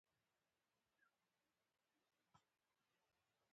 لاس کې د ټولو ځلېدونکې یوکتاب،